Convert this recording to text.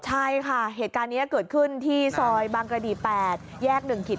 ใช่ค่ะเหตุการณ์นี้เกิดขึ้นที่ซอยบางกระดี๘แยก๑